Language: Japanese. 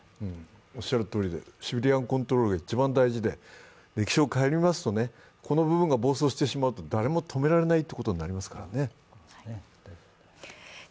おっしゃるとおりシビリアンコントロールが一番大事で、歴史を顧みますと、この部分が暴走してしまうと誰も止められないということですからね。